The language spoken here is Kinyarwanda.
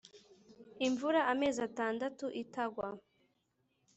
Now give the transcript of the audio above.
imvura amezi atandatu itagwa